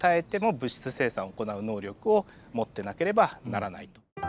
物質生産を行う能力を持ってなければならないと。